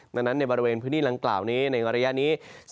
ดังนั้นในบริเวณพื้นที่ดังกล่าวนี้ในระยะนี้